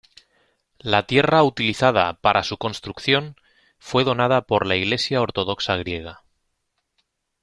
La tierra utilizada para su construcción fue donada por la Iglesia Ortodoxa Griega.